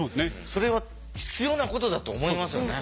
それは必要なことだと思いますよね。